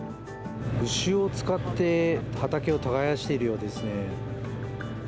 牛を使って畑を耕しているようですね。